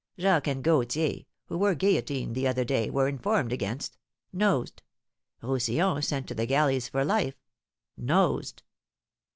Jacques and Gauthier, who were guillotined the other day, were informed against, nosed; Rousillon, sent to the galleys for life, nosed."